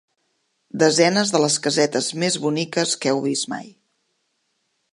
Desenes de les casetes més boniques que heu vist mai.